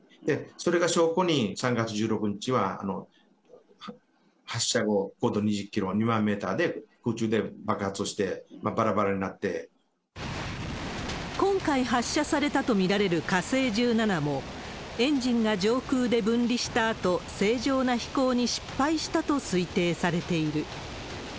それが証拠に、３月１６日は発射後、高度２０キロ、２万メーターで空中で爆発をして、今回発射されたと見られる火星１７も、エンジンが上空で分離したあと、正常な飛行に失敗したと推定されている。